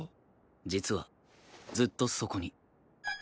実はずっとそこに。